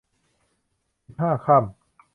สิบห้าค่ำ